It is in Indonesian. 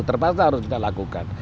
terpaksa harus kita lakukan